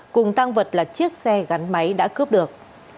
cùng tăng vật là chiếc xe gắn máy đã cướp được